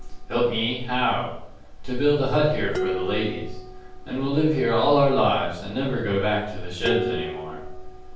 "Help me? How?" "To build a hut here for the ladies. And we'll live here all our lives, and never go back to the sheds any more."